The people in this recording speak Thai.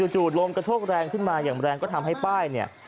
ลมกระโชกแรงขึ้นมาอย่างแรงก็ทำให้ป้ายเนี่ย